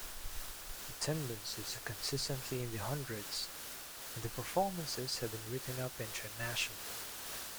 Attendance is consistently in the hundreds, and the performances have been written up internationally.